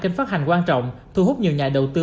kênh phát hành quan trọng thu hút nhiều nhà đầu tư